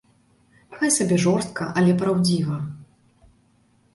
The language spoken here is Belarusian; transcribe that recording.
Хай сабе жорстка, але праўдзіва.